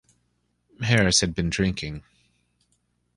Harris had been drinking.